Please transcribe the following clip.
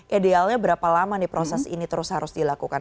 idealnya berapa lama nih proses ini terus harus dilakukan